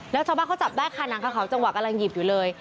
แล้วชาวบ้านเขาจับได้ค่ะหนังคาเขาจังหวะกำลังหยิบอยู่เลย